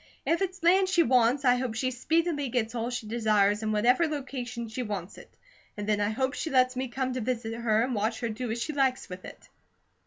If it's land she wants, I hope she speedily gets all she desires in whatever location she wants it; and then I hope she lets me come to visit her and watch her do as she likes with it."